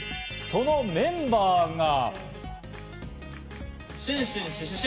そのメンバーが。